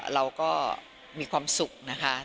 เราก็มีความสุขนะคะ